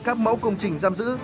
các mẫu công trình giam giữ